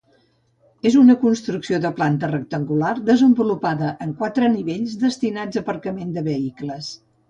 És una construcció de planta rectangular, desenvolupada en quatre nivells, destinats a aparcament de vehicles.